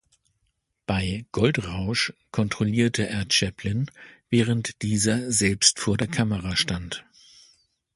Bei "Goldrausch" kontrollierte er Chaplin, während dieser selbst vor der Kamera stand.